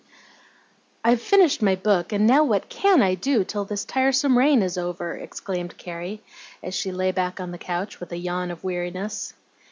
"I'VE finished my book, and now what CAN I do till this tiresome rain is over?" exclaimed Carrie, as she lay back on the couch with a yawn of weariness.